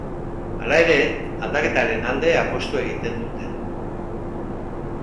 Hala ere, aldaketaren alde apustu egiten dute.